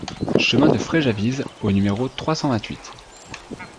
Chemin de Fréjavise au numéro trois cent vingt-huit